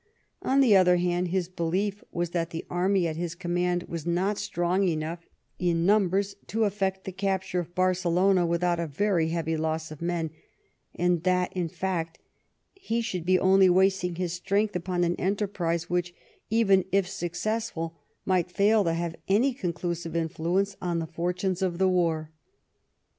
On the other hand, his belief was that the army at his command was not strong enough in num bers to effect the capture of Barcelona without a very heavy loss of men, and that, in fact, he should be only wasting his strength upon an enterprise which, even if successful, might fail to have any conclusive influence on the fortunes of the war.